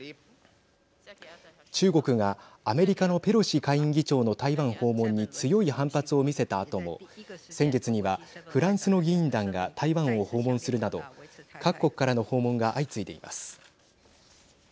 中国が、アメリカのペロシ下院議長の台湾訪問に強い反発を見せたあとも先月にはフランスの議員団が台湾を訪問するなど各国からの訪問が相次いでいます。